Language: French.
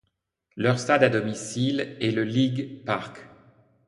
Leur stade à domicile est le League Park.